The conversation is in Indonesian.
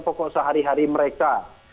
pokok sehari hari mereka